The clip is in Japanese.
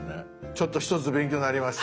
ちょっと一つ勉強なりました。